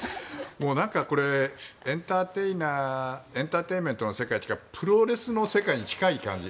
なんかこれエンターテインメントの世界というかプロレスの世界に近い感じ。